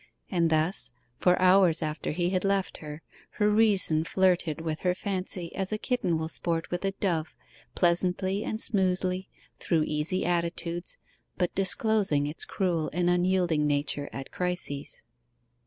And thus, for hours after he had left her, her reason flirted with her fancy as a kitten will sport with a dove, pleasantly and smoothly through easy attitudes, but disclosing its cruel and unyielding nature at crises.